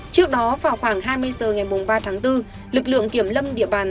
trước đó vào khoảng hai mươi h ngày ba tháng bốn lực lượng kiểm lâm địa bàn